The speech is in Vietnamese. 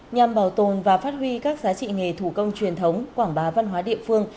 nhằm bảo tồn và phát huy các giá trị nghề thủ công truyền thống quảng bá văn hóa địa phương